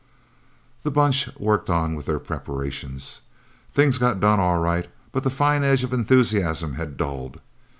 The Bunch worked on with their preparations. Things got done all right, but the fine edge of enthusiasm had dulled.